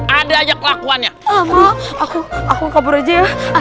ada ada kelakuannya aku aku kabur aja